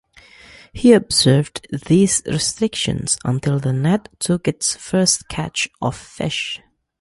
He observed these restrictions until the net took its first catch of fish.